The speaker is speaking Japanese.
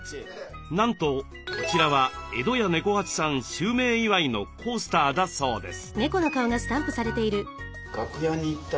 なんとこちらは江戸家猫八さん襲名祝いのコースターだそうです。